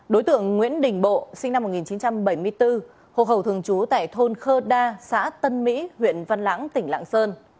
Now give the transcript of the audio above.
đối tượng nguyễn đình bộ sinh năm một nghìn chín trăm bảy mươi bốn hồ hầu thường trú tại thôn khơ đa xã tân mỹ huyện văn lạc